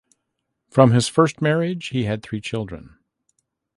From his first marriage he had three children.